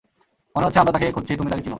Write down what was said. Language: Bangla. মনে হচ্ছে আমরা যাকে খুঁজছি তুমি তাকে চিনো।